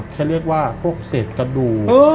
เขาเรียกว่าพวกเศษกระดูก